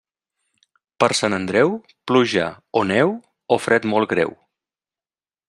Per Sant Andreu, pluja o neu o fred molt greu.